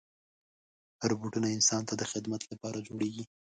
روبوټونه انسان ته د خدمت لپاره جوړېږي.